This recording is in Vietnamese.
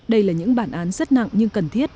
đây là những bản án rất nặng nhưng cần thiết